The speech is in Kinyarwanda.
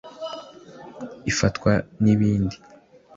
Ifatwa n ibindi